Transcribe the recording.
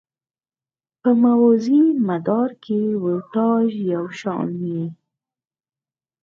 په موازي مدار کې ولتاژ یو شان وي.